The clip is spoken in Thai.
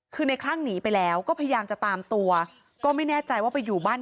คือในคลั่งหนีไปแล้วก็พยายามจะตามตัวก็ไม่แน่ใจว่าไปอยู่บ้าน